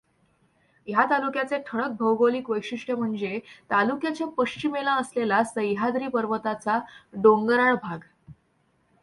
ह्या तालुक्याचे ठळक भौगोलिक वैशिष्ट्य म्हणजे तालुक्याच्या पश्चिमेला असलेला सह्याद्री पर्वताचा डोंगराळ भाग.